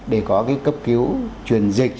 để có cái cấp cứu truyền dịch